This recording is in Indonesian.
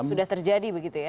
sudah terjadi begitu ya